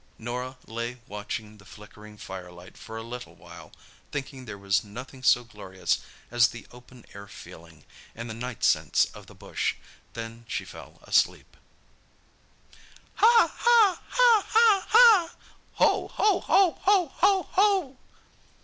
Norah lay watching the flickering firelight for a little while, thinking there was nothing so glorious as the open air feeling, and the night scents of the bush; then she fell asleep. "Ha ha ha ha ha! Ho ho ho ho ho!!"